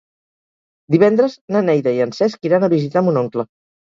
Divendres na Neida i en Cesc iran a visitar mon oncle.